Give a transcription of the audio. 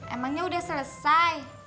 emangnya udah selesai